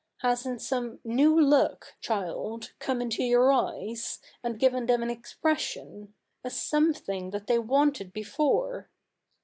Hasn't some new look, child, come into your eyes, and given them an expression — a something that they wanted before